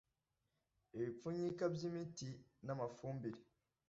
ibipfunyika by imiti n amafumbire